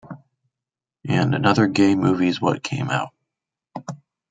And Another Gay Movie's what came out.